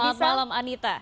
selamat malam anita